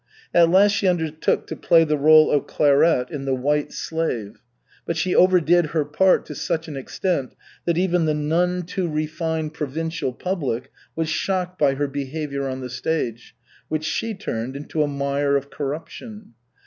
At last she undertook to play the role of Clairette in The White Slave. But she overdid her part to such an extent that even the none too refined provincial public was shocked by her behavior on the stage, which she turned into a mire of corruption.